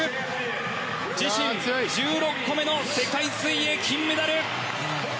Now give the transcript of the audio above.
自身１６個目の世界水泳、金メダル！